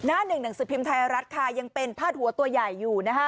หน้าหนึ่งหนังสือพิมพ์ไทยรัฐค่ะยังเป็นพาดหัวตัวใหญ่อยู่นะคะ